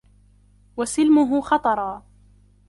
وَسِلْمُهُ خَطَرًا